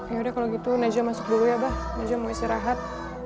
yaudah kalau gitu najwa masuk dulu ya abah najwa mau istirahat